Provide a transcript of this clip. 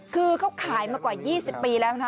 คือเขาขายมากว่า๒๐ปีแล้วนะ